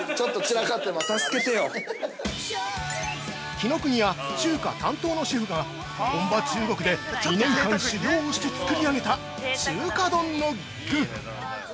◆紀ノ国屋、中華担当のシェフが本場・中国で、２年間修業をして作り上げた、中華丼の具。